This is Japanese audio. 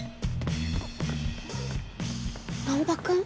難破君？